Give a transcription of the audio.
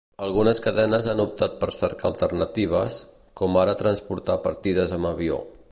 Algunes cadenes han optat per cercar alternatives, com ara transportar partides amb avió.